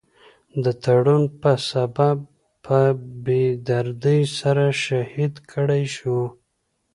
د تړون پۀ سبب پۀ بي دردۍ سره شهيد کړے شو ۔